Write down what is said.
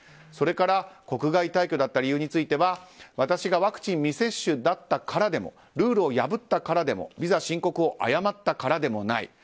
それから、国外退去だった理由については私がワクチン未接種からでもルールを破ったからでもビザ申告を誤ったからでもない。